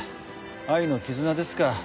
愛の絆ですか。